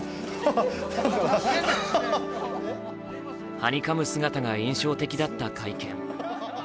はにかむ姿が印象的だった会見。